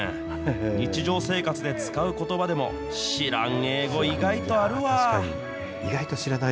日常生活で使うことばでも知らん英語、意外とあるわ。